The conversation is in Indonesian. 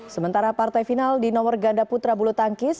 sementara partai final di nomor ganda putra bulu tangkis